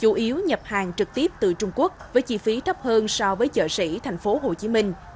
chủ yếu nhập hàng trực tiếp từ trung quốc với chi phí thấp hơn so với chợ sỉ tp hcm